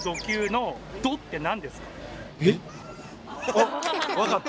あ！分かった。